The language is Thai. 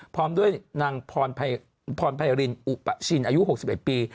พร้อมด้วยนางพรไพรินอุปชินอายุ๖๑ปี